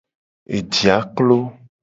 Ejia klo.